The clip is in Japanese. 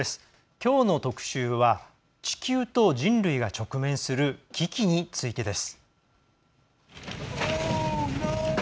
きょうの特集は地球と人類が直面する危機についてです。